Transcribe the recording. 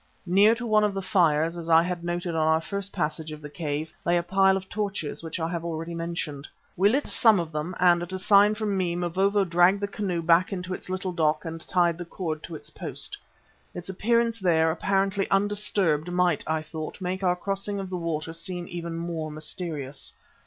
Near to one of the fires, as I had noted on our first passage of the cave, lay a pile of the torches which I have already mentioned. We lit some of them, and at a sign from me, Mavovo dragged the canoe back into its little dock and tied the cord to its post. Its appearance there, apparently undisturbed, might, I thought, make our crossing of the water seem even more mysterious.